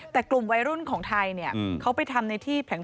แต่กลุ่มวัยรุ่นของไทยเนี่ยเขาไปทำในที่แผง